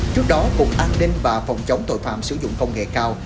trước đó cục an ninh và phòng chống tội phạm sử dụng công nghệ cao